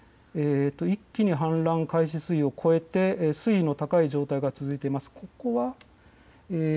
一気に氾濫開始水位を超えて水位の高い状態が続いています。